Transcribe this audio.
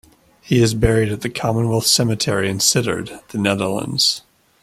He is buried at the Commonwealth Cemetery in Sittard, The Netherlands.